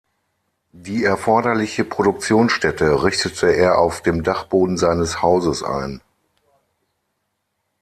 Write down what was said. Die erforderliche Produktionsstätte richtete er auf dem Dachboden seines Hauses ein.